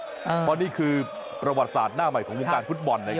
เพราะนี่คือประวัติศาสตร์หน้าใหม่ของวงการฟุตบอลนะครับ